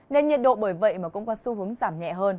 nên nhiệt độ bởi vậy mà cũng có xu hướng giảm nhẹ hơn